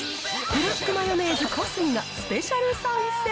ブラックマヨネーズ・小杉がスペシャル参戦。